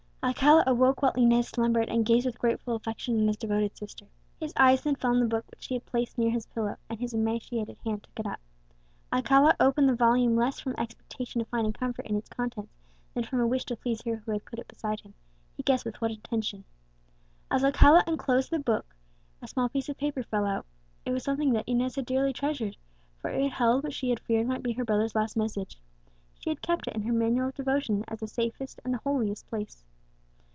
Alcala awoke while Inez slumbered, and gazed with grateful affection on his devoted sister. His eyes then fell on the book which she had placed near his pillow, and his emaciated hand took it up. Alcala opened the volume less from expectation of finding comfort in its contents, than from a wish to please her who had put it beside him, he guessed with what intention. As Alcala unclosed the book, a small piece of paper fell out. It was something that Inez had dearly treasured, for it held what she had feared might be her brother's last message. She had kept it in her manual of devotion, as the safest and the holiest place.